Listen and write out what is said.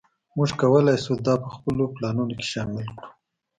موږ کولی شو دا په خپلو پلانونو کې شامل کړو